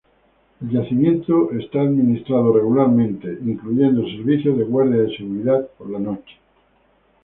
El yacimiento es administrado regularmente incluyendo servicio de guardia de seguridad por la noche.